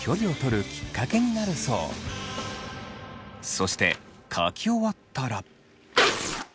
そして書き終わったら。